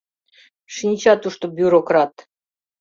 Шинча тушто бюрократ